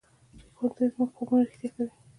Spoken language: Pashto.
ښوونځی زموږ خوبونه رښتیا کوي